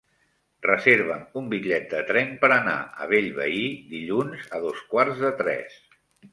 Reserva'm un bitllet de tren per anar a Bellvei dilluns a dos quarts de tres.